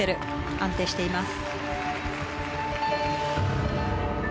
安定しています。